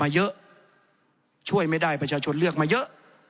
เยอะช่วยไม่ได้ประชาชนเลือกมาเยอะ